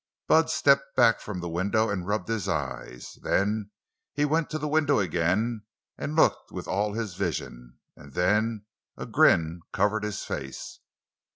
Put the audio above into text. Bud stepped back from the window and rubbed his eyes. Then he went to the window again and looked with all his vision. And then a grin covered his face.